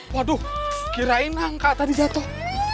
waduh kirain angka tadi jatuh